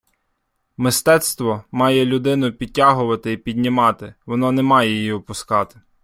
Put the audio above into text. Мистецтво має людину підтягувати і піднімати, воно не має ії опускати